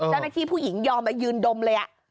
ตั้งแต่ที่ผู้หญิงยอมมายืนดมเลยอ่ะ